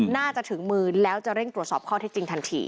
ถึงมือแล้วจะเร่งตรวจสอบข้อเท็จจริงทันที